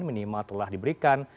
minimal telah diberikan